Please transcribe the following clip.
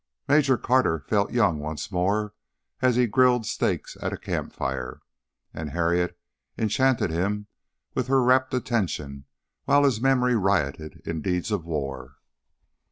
Major Carter felt young once more as he grilled steaks at a camp fire, and Harriet enchanted him with her rapt attention while his memory rioted in deeds of war.